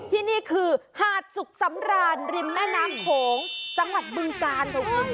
ที่นี่คือหาดสุขสำรานริมแม่น้ำโขงจังหวัดบึงกาลค่ะคุณ